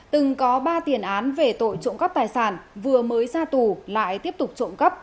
từng có ba tiền án về tội trộm cắp tài sản vừa mới ra tù lại tiếp tục trộm cắp